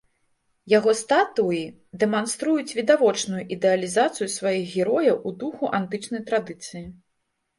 Яго статуі дэманструюць відавочную ідэалізацыю сваіх герояў у духу антычнай традыцыі.